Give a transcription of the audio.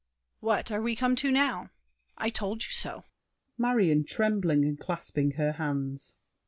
What are we come to now? I told you so! MARION (trembling and clasping her hands).